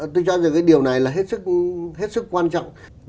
tôi cho rằng cái điều này là hết sức quan trọng